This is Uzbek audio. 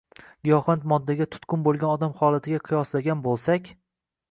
giyohvand moddaga tutqun bo‘lgan odam holatiga qiyoslagan bo‘lsak